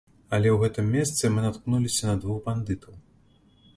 Але ў гэтым месцы мы наткнуліся на двух бандытаў.